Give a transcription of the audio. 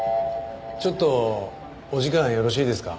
ちょっとお時間よろしいですか？